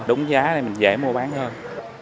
đúng giá thì mình dễ mua bán hơn